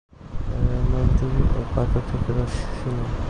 এরা মঞ্জরি ও পাতা থেকে রস শুষে নেয়।